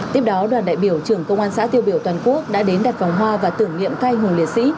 tiếp đó đoàn đại biểu trưởng công an xã tiêu biểu toàn quốc đã đến đặt vòng hoa và tưởng niệm canh hùng liệt sĩ